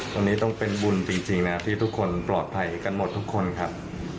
ตรงนี้ต้องเป็นบุญจริงแล้วที่ทุกคนปลอดภัยกันหมดทุกคนครับ